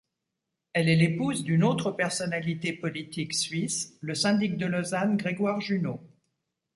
Elle est l'épouse d'une autre personnalité politique suisse, le syndic de Lausanne, Grégoire Junod.